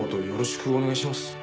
よろしくお願いします！